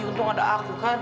untung ada aku kan